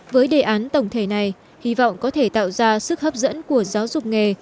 với đề án tổng thể này hy vọng có thể tạo ra sức hấp dẫn của giáo dục nghề